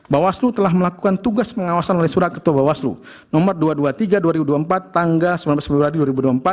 bawaslu telah melakukan tugas pengawasan oleh surat ketua bawaslu nomor dua ratus dua puluh tiga dua ribu dua puluh empat tanggal sembilan belas februari dua ribu dua puluh empat